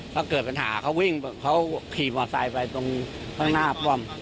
ก็เกิดปัญหาเขาวิ่งเขาขี่มอไซค์ไปตรงข้างหน้าป้อม